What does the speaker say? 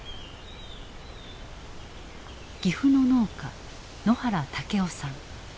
岐阜の農家野原武雄さん。